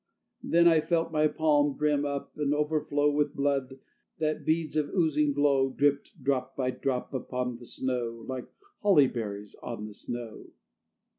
Then I felt My palm brim up and overflow With blood that, beads of oozing glow, Dripped, drop by drop, upon the snow, Like holly berries on the snow.